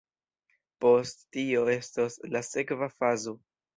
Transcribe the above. Post tio estos la sekva fazo.